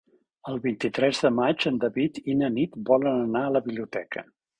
El vint-i-tres de maig en David i na Nit volen anar a la biblioteca.